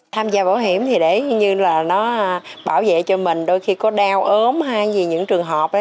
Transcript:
tham gia bảo hiểm thì để như là nó bảo vệ cho mình đôi khi có đeo ốm hay gì những trường hợp